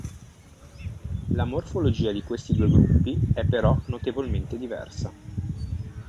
La morfologia di questi due gruppi è però notevolmente diversa.